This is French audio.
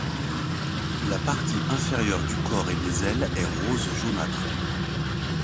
La partie inférieure du corps et des ailes est rose-jaunâtre.